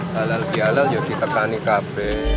halal dihalal ya kita kan di kb